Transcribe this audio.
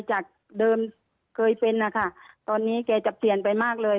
จากเดิมเคยเป็นนะคะตอนนี้แกจะเปลี่ยนไปมากเลย